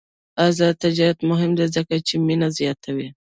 آزاد تجارت مهم دی ځکه چې مینه زیاتوي.